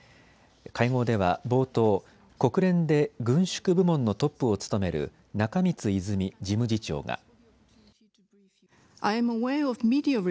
会合では冒頭、国連で軍縮部門のトップを務める中満泉事務次長が。